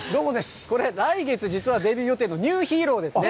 これ、来月、実はデビュー予定のニューヒーローですね。